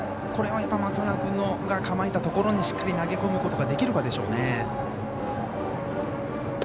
これは松村君が構えたところにしっかり投げ込むことができるかでしょうね。